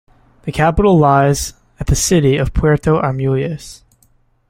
The capital lies at the city of Puerto Armuelles.